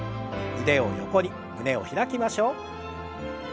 腕を横に胸を開きましょう。